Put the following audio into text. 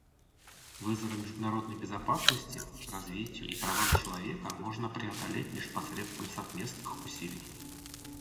Вызовы международной безопасности, развитию и правам человека можно преодолеть лишь посредством совместных усилий.